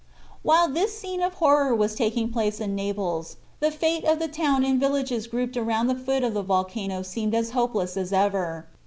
While this scene of horror was taking place in Naples the fate of the town and villages grouped around the foot of the volcano seemed as hopeless as ever.